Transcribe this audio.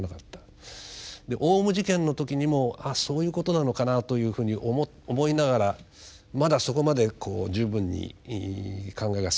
オウム事件の時にも「ああそういうことなのかな」というふうに思いながらまだそこまでこう十分に考えが進まなかった。